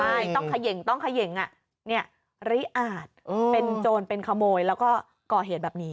ใช่ต้องเขย่งต้องเขย่งริอาจเป็นโจรเป็นขโมยแล้วก็ก่อเหตุแบบนี้